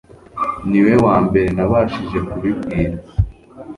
Ni we wa mbere nabashije kubibwira